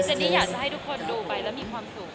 นี่อยากจะให้ทุกคนดูไปแล้วมีความสุข